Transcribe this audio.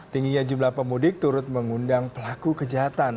tingginya jumlah pemudik turut mengundang pelaku kejahatan